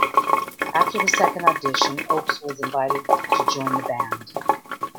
After the second audition Oakes was invited to join the band.